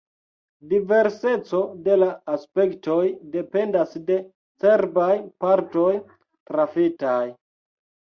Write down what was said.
Diverseco de la aspektoj dependas de cerbaj partoj trafitaj.